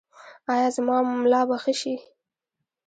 ایا زما ملا به ښه شي؟